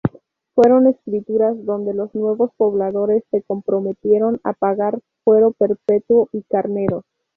Fueron escrituras donde los nuevos pobladores se comprometieron a pagar fuero perpetuo y carneros.